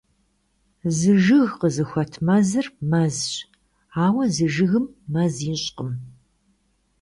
Зы жыг къызыхуэт мэзыр — мэзщ. Ауэ зы жыгым мэз ищӀкъым.